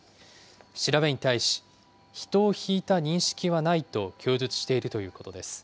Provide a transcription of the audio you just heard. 調べに対し、人をひいた認識はないと供述しているということです。